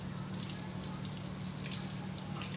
สุดท้ายสุดท้าย